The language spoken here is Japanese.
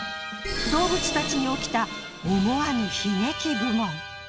動物たちに起きた思わぬ悲劇部門。